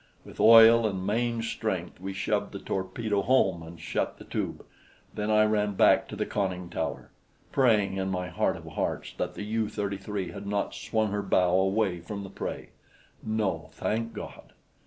With oil and main strength we shoved the torpedo home and shut the tube; then I ran back to the conning tower, praying in my heart of hearts that the U 33 had not swung her bow away from the prey. No, thank God!